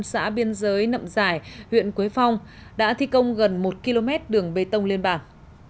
xã biên giới nậm giải huyện quế phong đã thi công gần một km đường bê tông liên bảng